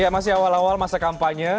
masih awal awal masa kampanye